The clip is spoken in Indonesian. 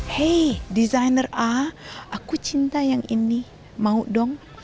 hey designer a aku cinta yang ini mau dong